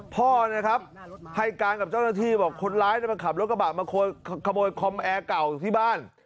พ่อนะครับให้การกับเจ้าหน้าที่บอกคนร้ายมาขับรถกระบะมาขโมยคอมแอร์เก่าที่บ้าน